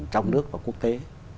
trong nước và quốc tế